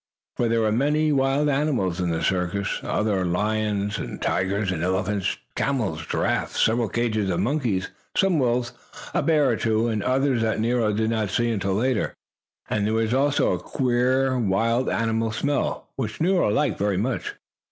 For there were many wild animals in the circus other lions, tigers, elephants, camels, giraffes, several cages of monkeys, some wolves, a bear or two, and others that Nero did not see until later. And there was also a queer, wild animal smell, which Nero liked very much.